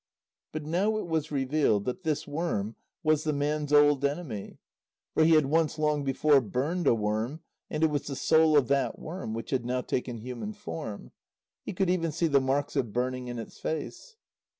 But now it was revealed that this worm was the man's old enemy. For he had once, long before, burned a worm, and it was the soul of that worm which had now taken human form. He could even see the marks of burning in its face.